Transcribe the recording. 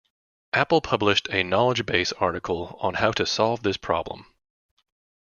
Apple published a knowledge base article on how to solve this problem.